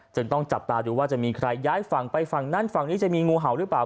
ต้องจับตาดูว่าจะมีใครย้ายฝั่งไปฝั่งนั้นฝั่งนี้จะมีงูเห่าหรือเปล่า